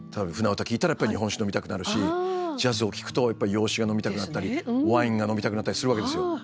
聴いたらやっぱり日本酒飲みたくなるしジャズを聴くとやっぱり洋酒が飲みたくなったりワインが飲みたくなったりするわけですよ。